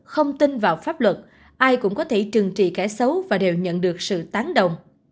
không tin vào pháp luật ai cũng có thể trừng trị kẻ xấu và đều nhận được sự tán đồng